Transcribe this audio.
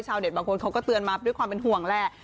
บางคนเขาก็เตือนมาด้วยความเป็นห่วงแหละ